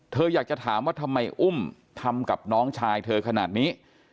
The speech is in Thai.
เธออยากจะถามว่าทำไมอุ้มทำกับน้องชายเธอขนาดนี้